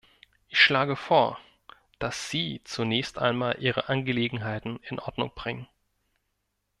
Ich schlage vor, dass Sie zunächst einmal Ihre Angelegenheiten in Ordnung bringen.